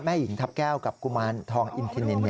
หญิงทัพแก้วกับกุมารทองอินทินิน